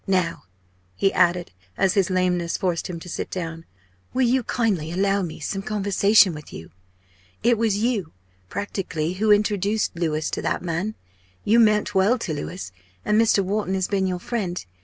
"Now," he added, as his lameness forced him to sit down, "will you kindly allow me some conversation with you? It was you practically who introduced Louis to that man. You meant well to Louis, and Mr. Wharton has been your friend.